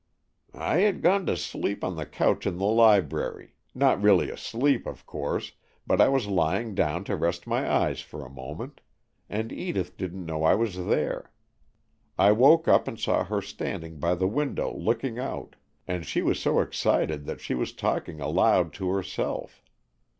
"I had gone to sleep on the couch in the library, not really asleep, of course, but I was lying down to rest my eyes for a moment, and Edith didn't know I was there. I woke up and saw her standing by the window looking out, and she was so excited that she was talking aloud to herself.